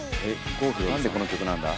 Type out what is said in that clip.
なんでこの曲なんだ？